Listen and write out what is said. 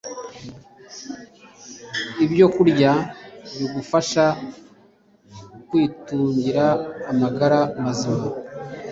ibyokurya bigufasha kwitungira amagara mazima